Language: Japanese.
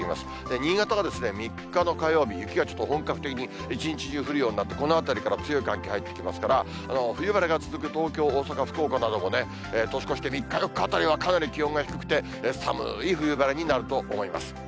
新潟は３日の火曜日、雪がちょっと本格的に一日中降るようになって、このあたりから強い寒気入ってきてますから、冬晴れが続く東京、大阪、福岡などもね、年越しで３日、４日は気温が低くて、寒い冬晴れになると思います。